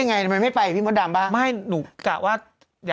เขาไม่ได้ไปด้วย